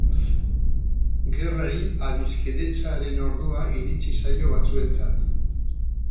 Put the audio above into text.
Gerrari adiskidetzearen ordua iritsi zaio batzuentzat.